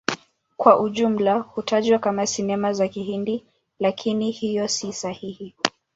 Kwa ujumla hutajwa kama Sinema za Kihindi, lakini hiyo si sahihi.